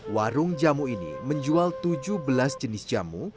warung jamu ini menjual tujuh belas jenis jamu